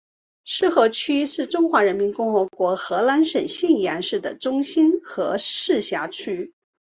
浉河区是中华人民共和国河南省信阳市的中心和市辖区。